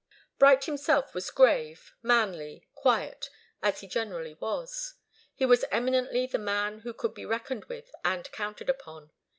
Bright himself was grave, manly, quiet, as he generally was. He was eminently the man who could be reckoned with and counted upon.